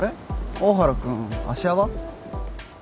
大原君芦屋は？